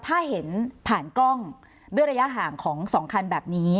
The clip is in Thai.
ถ้าเห็นผ่านกล้องด้วยระยะห่างของ๒คันแบบนี้